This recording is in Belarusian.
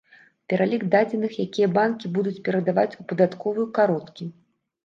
Пералік дадзеных, якія банкі будуць перадаваць у падатковую, кароткі.